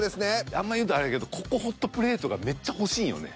あんまり言うたらあれやけどココホットプレートがめっちゃ欲しいんよね。